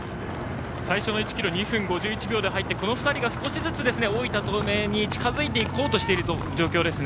最初の１ｋｍ２分５１秒で入ってこの２人が少しずつ、大分東明に近づいていこうとしている状況ですね。